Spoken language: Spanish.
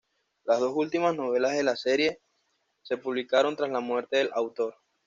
Las dos últimas novelas de la serie se publicaron tras la muerte del autor.